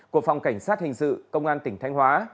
của phòng cảnh sát hình sự công an tỉnh thanh hóa